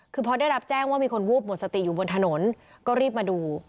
คือพอได้รับแจ้งว่ามีคนวูบหมดสติอยู่บนถนนก็รีบมาดู